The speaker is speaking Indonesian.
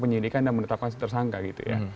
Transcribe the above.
penyelidikan dan menetapkan setersangka gitu ya